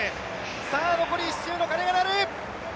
残り１周の鐘が鳴る！